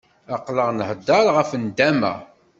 Aql-aɣ nhedder ɣef nndama.